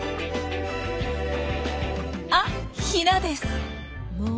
あっヒナです！